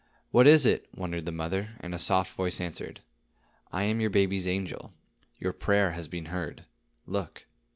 "What is it," wondered the mother; and a soft voice answered: "I am your baby's angel. Your prayer has been heard. Look."